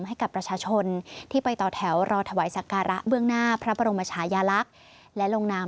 ให้กับประชาชนที่ไปต่อแถวรอถวายศักราบเบื้องหน้าพระประโรมชายารัฐและโรงนาม